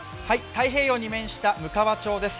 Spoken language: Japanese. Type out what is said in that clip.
太平洋に面したむかわ町です。